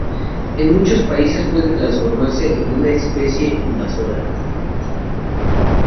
En muchos países puede transformarse en una especie invasora.